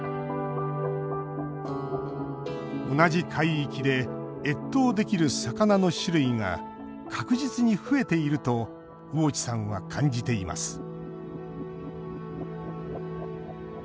同じ海域で越冬できる魚の種類が確実に増えていると魚地さんは感じています